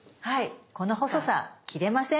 この細さ切れません。